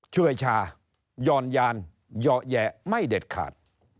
เชื่อชาย่อนยานเหยาะแหยะไม่เด็ดขาด